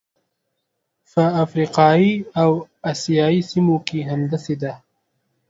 په افریقایي او اسیايي سیمو کې همداسې ده.